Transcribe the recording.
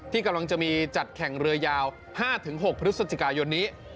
ที่กำลังจะมีจัดแข่งเรือยาว๕๖พฤศจิกายนนี้